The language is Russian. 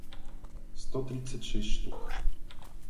сто тридцать шесть штук